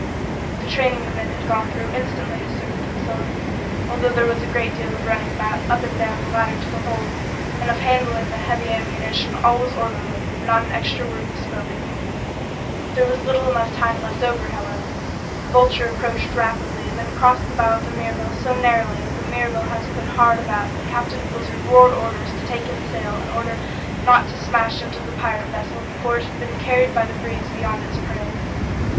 The training the men had gone through instantly asserted itself. Although there was a great deal of running about, up and down the ladder to the hold, and of handing up the heavy ammunition, all was orderly, and not an extra word was spoken. There was little enough time left over, however. The Vulture approached rapidly and then crossed the bow of the Mirabelle so narrowly that the Mirabelle had to put hard about and Captain Blizzard roared orders to take in sail in order not to smash into the pirate vessel before it had been carried by the breeze beyond its prey.